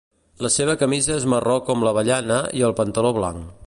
La seva camisa és marró com l'avellana i el pantaló blanc.